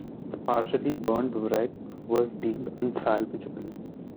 The partially burnt wreck was deemed unsalvagable.